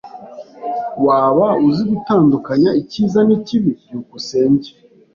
Waba uzi gutandukanya icyiza n'ikibi? byukusenge